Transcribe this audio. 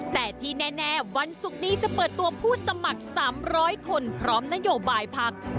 แต่ที่แน่วันศุกร์นี้จะเปิดตัวผู้สมัคร๓๐๐คนพร้อมนโยบายพัก